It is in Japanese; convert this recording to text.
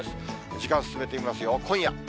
時間進めてみますよ、今夜。